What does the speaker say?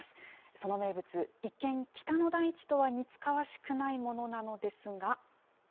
その名物、一見、北の大地とは似つかわしくないものなのですが。